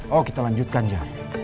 oh kita lanjutkan ya